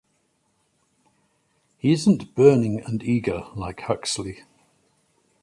He isn't burning and eager like Huxley.